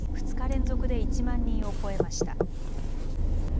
２日連続で１万人を超えました。